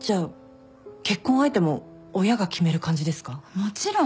もちろん。